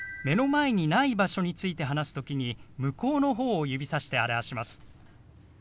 目の前にない場所について話す時に向こうの方を指さして表します。